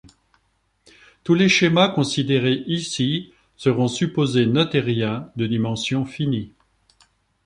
Tous les schémas considérés ici seront supposés noethériens de dimension finie.